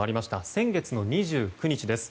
先月２９日です。